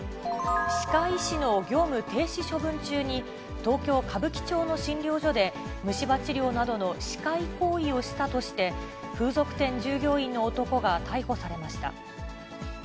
歯科医師の業務停止処分中に、東京・歌舞伎町の診療所で虫歯治療などの歯科医行為をしたとして、風俗店従業員の男が逮捕されました。